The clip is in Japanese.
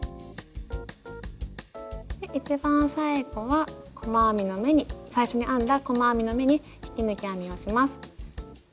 一番最後は細編みの目に最初に編んだ細編みの目に引き抜き編みをします。